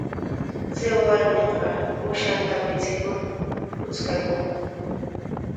Chay warmiqa uushanta michikur puchkakun.